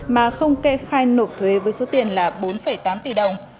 mà không kê khai nộp thuế với số tiền là bốn tám tỷ đồng